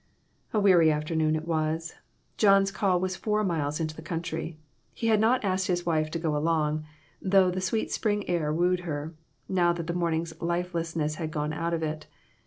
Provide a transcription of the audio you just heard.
A weary afternoon it was. John's call was four miles into the country. He had not asked his wife to go along, though the sweet spring air wooed her, now that the morning's lifelessness had gone out of it.